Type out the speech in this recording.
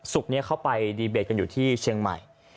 ศุกร์นี้เข้าไปีเบตกันอยู่ที่เชียงใหม่